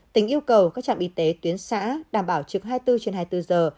tỉnh yêu cầu các trạm y tế tuyến xã đảm bảo trực hai mươi bốn trên hai mươi bốn giờ